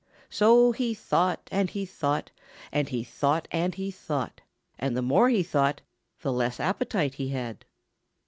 So he thought and he thought and he thought and he thought. And the more he thought the less appetite he had.